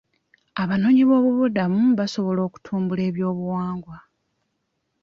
Abanoonyiboobubudamu baasobola okutumbula ebyobuwangwa.